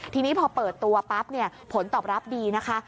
ทีนี้พอเปิดตัวปั๊บเนี่ยผลตอบรับดีนะคะ